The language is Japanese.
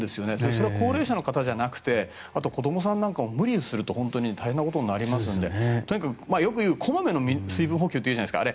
それは高齢者の方じゃなくて子供さんなんかも無理すると本当に大変なことになりますのでとにかくよく、こまめな水分補給っていうじゃないですか。